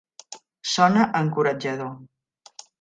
Sona encoratjador.